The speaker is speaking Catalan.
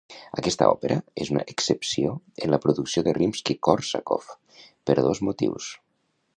Aquesta òpera és una excepció en la producció de Rimski-Kórsakov per dos motius.